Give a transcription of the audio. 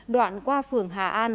đoạn qua phường hà an